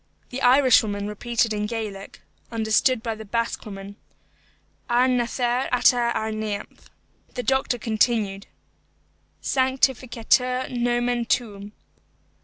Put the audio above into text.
The Irishwoman repeated in Gaelic, understood by the Basque woman, "Ar nathair ata ar neamh." The doctor continued, "Sanctificetur nomen tuum."